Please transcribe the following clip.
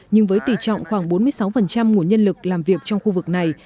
nhưng với tỷ trọng khoảng bốn mươi sáu nguồn nhân lực làm việc trong khu vực này